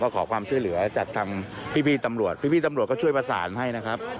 ขอความช่วยเหลือจากทางพี่ตำรวจพี่ตำรวจก็ช่วยประสานให้นะครับ